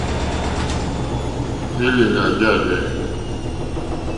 Élèlà jârzɛ̂.